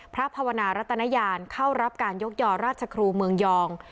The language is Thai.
ภาวนารัตนยานเข้ารับการยกยอราชครูเมืองยอง